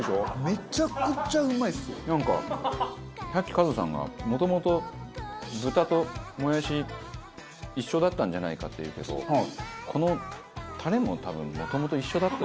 なんかさっきカズさんがもともと豚ともやし一緒だったんじゃないかって言うけどこのタレも多分もともと一緒だった。